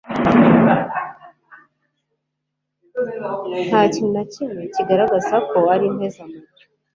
Nta kintu na kimwe kigaragara ko ari impezamajyo